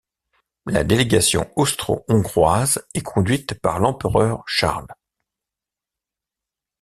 La délégation austro-hongroise est conduite par l'empereur Charles.